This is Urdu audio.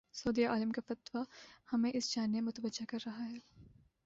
سعودی عالم کا فتوی ہمیں اس جانب متوجہ کر رہا ہے۔